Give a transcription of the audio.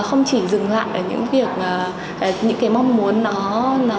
những cái mong muốn nó